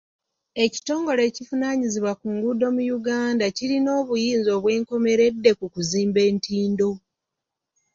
Ekitongole ekivunaanyizibwa ku nguudo mu Uganda kirina obuyinza obwenkomeredde ku kuzimba entindo.